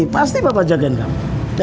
pasti papa jagain kamu